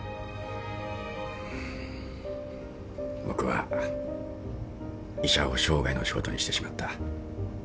僕は医者を生涯の仕事にしてしまった。